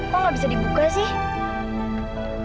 kok nggak bisa dibuka sih